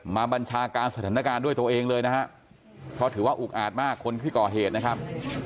บัญชาการสถานการณ์ด้วยตัวเองเลยนะฮะเพราะถือว่าอุกอาจมากคนที่ก่อเหตุนะครับ